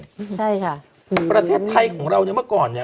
ใช่ค่ะประเทศไทยของเราเนี่ยเมื่อก่อนเนี่ย